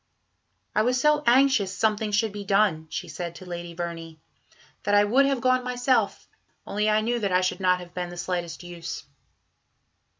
"I was so anxious something should be done," she said to Lady Verney, "that I would have gone myself, only I knew that I should not have been the slightest use."